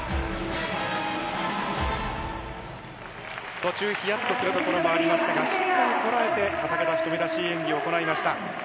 途中、ひやっとするところもありましたが、しっかりこらえて、畠田瞳らしい演技を行いました。